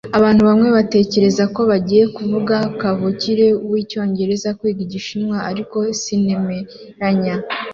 Abantu bamwe batekereza ko bigoye kuvuga kavukire wicyongereza kwiga Igishinwa, ariko sinemeranya